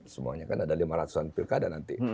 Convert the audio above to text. semuanya kan ada lima ratus an pilkada nanti